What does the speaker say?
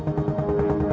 ya udah gue jalanin dulu